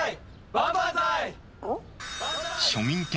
バンバンザイ！